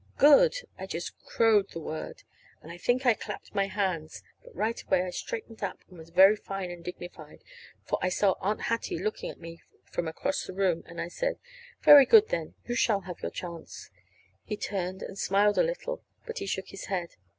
"Good!" I just crowed the word, and I think I clapped my hands; but right away I straightened up and was very fine and dignified, for I saw Aunt Hattie looking at me from across the room, as I said: "Very good, then. You shall have the chance." He turned and smiled a little, but he shook his head.